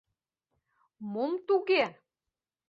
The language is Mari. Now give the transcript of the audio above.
Мом туге?